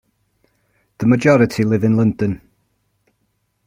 The majority live in London.